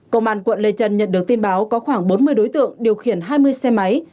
công an quận lê trân nhận được tin báo có khoảng bốn mươi đối tượng điều khiển hai mươi xe máy